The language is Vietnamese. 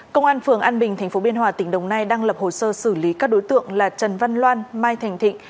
công an phường an bình tp biên hòa tỉnh đồng nai đang lập hồ sơ xử lý các đối tượng là trần văn loan mai thành thịnh